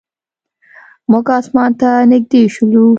موږ اسمان ته نږدې شولو.